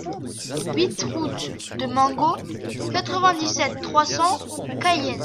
huit route de Mango, quatre-vingt-dix-sept, trois cents, Cayenne